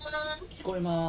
聞こえます。